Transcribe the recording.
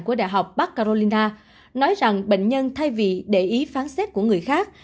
của đại học bắc carolina nói rằng bệnh nhân thay vì để ý phán xét của người khác